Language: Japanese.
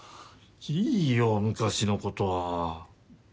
いいよ昔のことは。